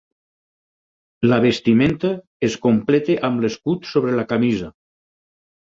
La vestimenta es completa amb l'escut sobre la camisa.